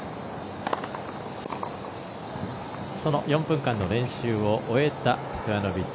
その４分間の練習を終えたストヤノビッチ。